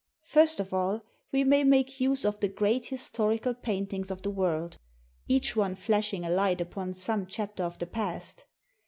First of all, we may make use of the great historical paintings of the world, each one flashing a light upon some chapter of the past.